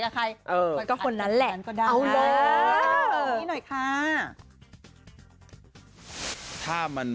เออเอาแบบนี้หน่อยค่ะก็คนนั้นแหละเอาเลย